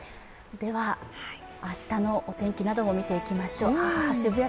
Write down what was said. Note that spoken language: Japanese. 明日のお天気なども見ていきましょう。